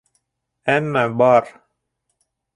Әммә бар...